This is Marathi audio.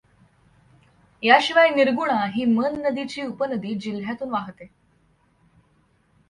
याशिवाय निर्गुणा ही मन नदीची उपनदी जिल्ह्यातून वाहते.